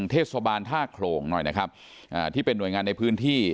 เทศบาลท่าโขลงหน่อยนะครับอ่าที่เป็นห่วยงานในพื้นที่